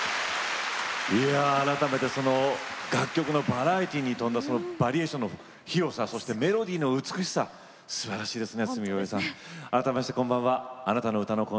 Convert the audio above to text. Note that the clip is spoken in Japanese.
改めて楽曲のバラエティーに富んだバリエーションの広さメロディーの美しさすばらしいですね。